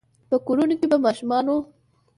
په کورونو کې به ماشومانو،